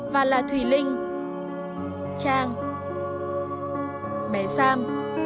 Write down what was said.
và là thùy linh trang bé sam